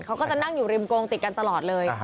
เขาก็จะนั่งอยู่ริมโกงติดกันตลอดเลย